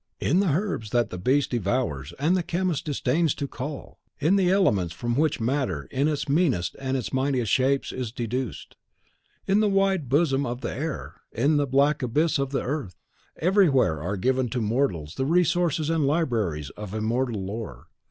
In the herbs that the beast devours and the chemist disdains to cull; in the elements from which matter in its meanest and its mightiest shapes is deduced; in the wide bosom of the air; in the black abysses of the earth; everywhere are given to mortals the resources and libraries of immortal lore.